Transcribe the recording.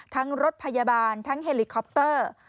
รถพยาบาลทั้งเฮลิคอปเตอร์